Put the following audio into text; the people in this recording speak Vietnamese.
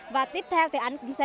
và tiếp theo thì anh cũng sẽ